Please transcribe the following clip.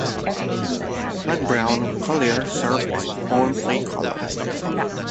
Like Brown, Collier served as his own play-caller.